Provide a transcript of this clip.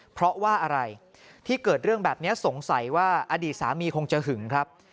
เพราะว่าอะไรที่เกิดเรื่องแบบนี้สงสัยว่าอดีตสามีคงจะหึงครับ